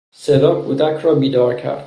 صدا کودک را بیدار کرد.